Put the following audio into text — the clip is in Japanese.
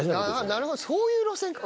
なるほどそういう路線か。